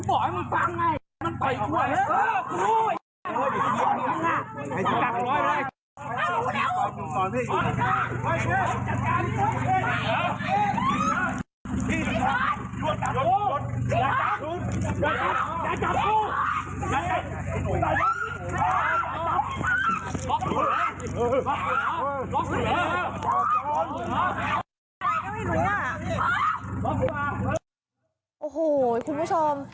โอ้โหคุณผู้ชม